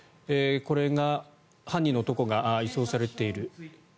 これが犯人の男が移送されている。